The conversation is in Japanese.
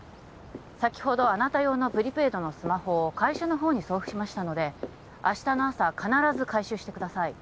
先ほどあなた用のプリペイドのスマホを会社の方に送付しましたので明日の朝必ず回収してください